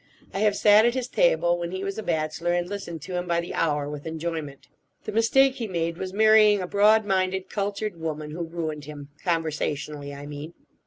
I have sat at his table, when he was a bachelor, and listened to him by the hour with enjoyment. The mistake he made was marrying a broad minded, cultured woman, who ruined him—conversationally, I mean.